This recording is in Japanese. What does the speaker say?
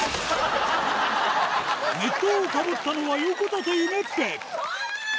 熱湯をかぶったのは横田と夢っぺもう！